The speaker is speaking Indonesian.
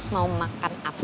mau makan apa